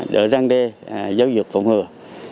đỡ răng đê giáo dục phổng hừa